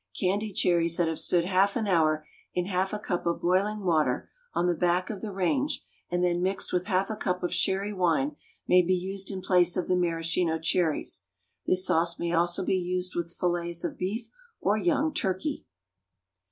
Candied cherries that have stood half an hour in half a cup of boiling water, on the back of the range, and then mixed with half a cup of sherry wine, may be used in place of the maraschino cherries. This sauce may also be used with fillets of beef or young turkey.